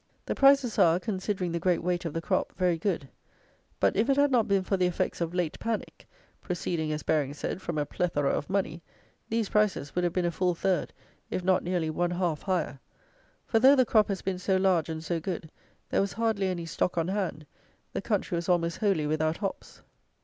The prices are, considering the great weight of the crop, very good; but, if it had not been for the effects of "late panic" (proceeding, as Baring said, from a "plethora of money,") these prices would have been a full third, if not nearly one half, higher; for, though the crop has been so large and so good, there was hardly any stock on hand; the country was almost wholly without hops.